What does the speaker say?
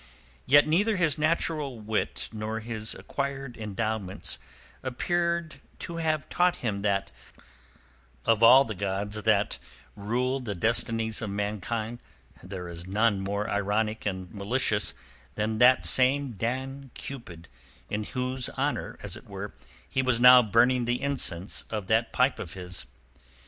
Yet neither his natural wit nor his acquired endowments appear to have taught him that of all the gods that rule the destinies of mankind there is none more ironic and malicious than that same Dan Cupid in whose honour, as it were, he was now burning the incense of that pipe of his.